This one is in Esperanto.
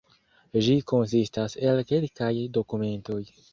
Ĝi konsistas el kelkaj dokumentoj.